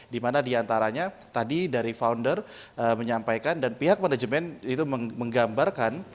dimana diantaranya tadi dari founder menyampaikan dan pihak manajemen itu menggambarkan